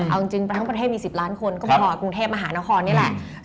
เมื่อเขาได้ยินสารนมันก็ปลอดภัย